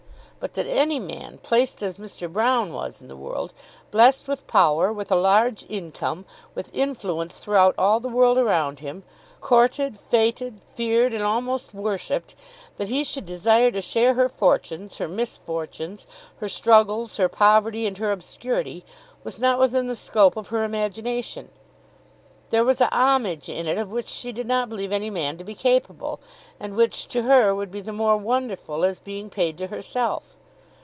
But that any man, placed as Mr. Broune was in the world, blessed with power, with a large income, with influence throughout all the world around him, courted, fêted, feared and almost worshipped, that he should desire to share her fortunes, her misfortunes, her struggles, her poverty and her obscurity, was not within the scope of her imagination. There was a homage in it, of which she did not believe any man to be capable, and which to her would be the more wonderful as being paid to herself.